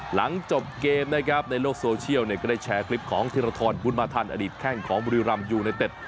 หลังจบเกมนะครับในโลกโซเชียลเนี่ยก็ได้แชร์คลิปของธิรทรบุญมาทันอดีตแข้งของบุรีรำยูไนเต็ด